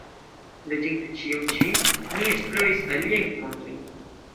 Leginte ĉion ĉi, mi esploris aliajn fontojn.